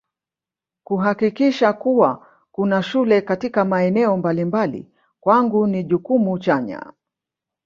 Kuhakikisha kuwa kuna shule katika maeneo mbalimbali kwangu ni jukumu chanya